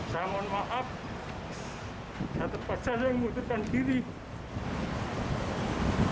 yang membutuhkan diri